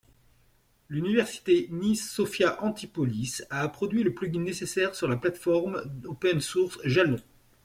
L'université Nice-Sophia-Antipolis a produit le plugin nécessaire sur leur plateforme open source Jalon.